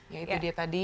ya itu dia tadi